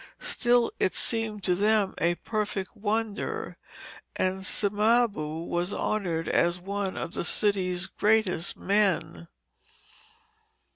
Still, it seemed to them a perfect wonder, and Cimabue was honoured as one of the city's greatest men.